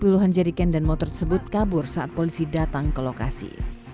puluhan jadiken dan motor tersebut kabur saat polisi datang ke lokasi